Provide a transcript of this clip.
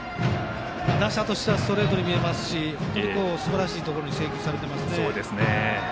打者としてはストレートに見えますしすばらしいところに制球されていますね。